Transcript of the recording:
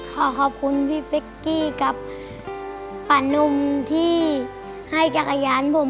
ขอขอบคุณพี่เป๊กกี้กับป่านุ่มที่ให้จักรยานผม